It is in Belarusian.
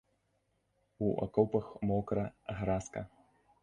У акопах мокра, гразка.